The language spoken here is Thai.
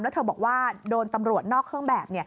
แล้วเธอบอกว่าโดนตำรวจนอกเครื่องแบบ